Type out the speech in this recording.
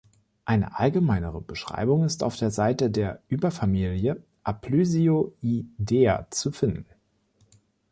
Eine allgemeinere Beschreibung ist auf der Seite der Überfamilie Aplysioidea zu finden.